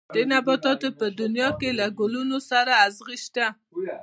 د نباتاتو په دنيا کې له ګلونو سره ازغي شته.